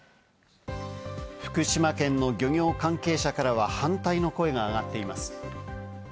福島県の漁業関係者からは反対の声が上がっています。